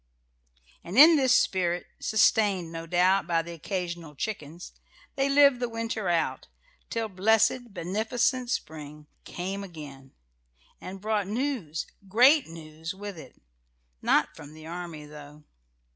And in this spirit, sustained, no doubt, by the occasional chickens, they lived the winter out, till blessed, beneficent spring came again, and brought news, great news, with it. Not from the army, though.